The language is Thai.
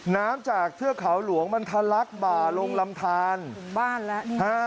น้ำจากเทือกเขาหลวงมันทะลักบ่าลงลำทานถึงบ้านแล้วนี่ฮะ